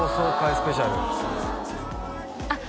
スペシャルあっ